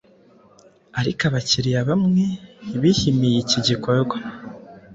Ariko abakiriya bamwe bihimiye iki gikorwa